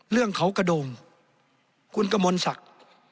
เรื่องเขากระโดงคุณกมลศักดิ์